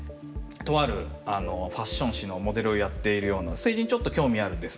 とあるファッション誌のモデルをやっているような政治にちょっと興味あるですね